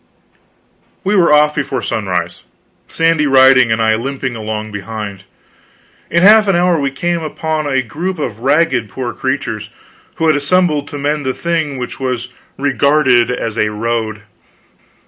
We were off before sunrise, Sandy riding and I limping along behind. In half an hour we came upon a group of ragged poor creatures who had assembled to mend the thing which was regarded as a road.